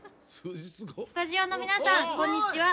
スタジオの皆さんこんにちは。